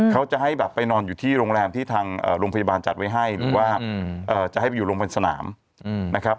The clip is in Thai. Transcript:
เขาจะให้แบบไปนอนอยู่ที่โรงแรมที่ทางโรงพยาบาลจัดไว้ให้หรือว่าจะให้ไปอยู่โรงพยาบาลสนามนะครับ